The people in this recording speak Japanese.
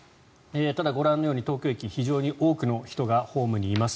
ただ、ご覧のように東京駅、非常に多くの人がホームにいます。